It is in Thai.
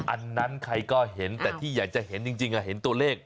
อันนั้นใครก็เห็นแต่ที่อยากจะเห็นจริงเห็นตัวเลข